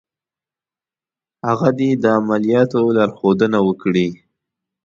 هغه دې د عملیاتو لارښودنه وکړي.